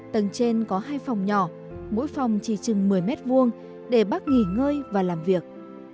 tầng trên có hai phòng nhỏ mỗi phòng chỉ chừng một mươi m hai để bác nghỉ ngơi và làm việc